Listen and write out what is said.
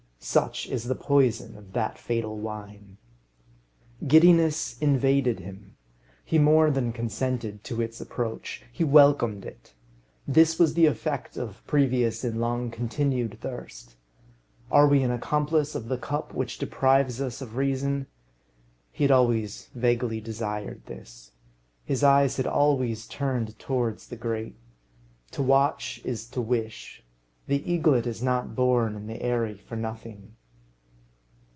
Such is the poison of that fatal wine. Giddiness invaded him. He more than consented to its approach. He welcomed it. This was the effect of previous and long continued thirst. Are we an accomplice of the cup which deprives us of reason? He had always vaguely desired this. His eyes had always turned towards the great. To watch is to wish. The eaglet is not born in the eyrie for nothing.